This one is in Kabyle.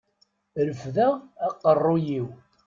Refdeɣ aqerruy-iw.